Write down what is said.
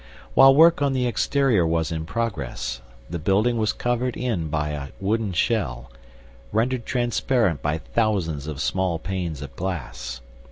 While work on the exterior was in progress, the building was covered in by a wooden shell, rendered transparent by thousands of small panes of glass.